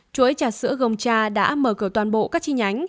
chuỗi trà sữa gồng trà đã mở cửa toàn bộ các chi nhánh